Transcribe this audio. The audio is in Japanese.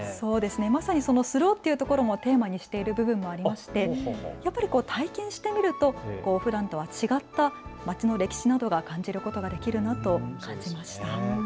まさにスローっていうところもテーマにしている部分もありましてやっぱり体験してみるとふだんとは違った街の歴史などが感じることができるなと感じました。